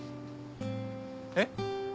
えっ？